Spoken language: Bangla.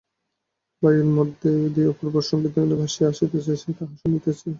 বায়ুর মধ্য দিয়া অপূর্ব সঙ্গীতধ্বনি ভাসিয়া আসিতেছে, সে তাহা শুনিতেছে।